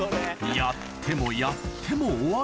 やってもやっても終わらず